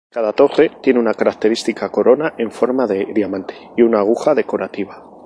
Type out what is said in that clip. Cada torre tiene una característica corona en forma de diamante y una aguja decorativa.